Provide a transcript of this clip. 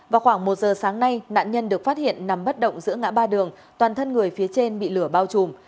vào khoảng một giờ sáng nay nạn nhân được phát hiện nằm bất động giữa ngã ba đường toàn thân người phía trên bị lửa bao trùm